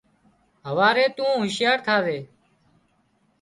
هواري تُون هُوشيار ٿازي